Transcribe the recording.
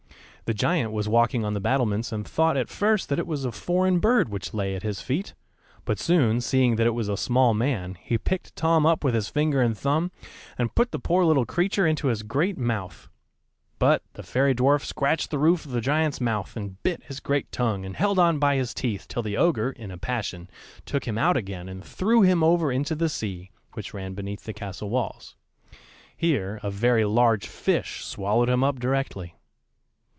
The giant was walking on the battlements and thought at first that it was a foreign bird which lay at his feet, but soon seeing that it was a small man, he picked Tom up with his finger and thumb, and put the poor little creature into his great mouth, but the fairy dwarf scratched the roof of the giant's mouth, and bit his great tongue, and held on by his teeth till the ogre, in a passion, took him out again and threw him over into the sea, which ran beneath the castle walls. Here a very large fish swallowed him up directly.